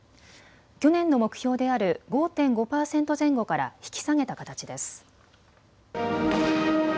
去年の目標である５．５％前後から引き下げた形です。